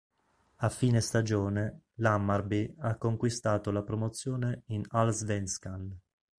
A fine stagione, l'Hammarby ha conquistato la promozione in Allsvenskan.